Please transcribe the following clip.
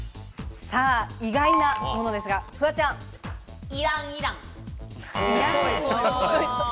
意外なものですが、フワちゃイランイラン。